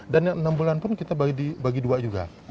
dan yang enam bulan pun kita bagi dua juga